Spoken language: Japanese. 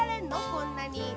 こんなに。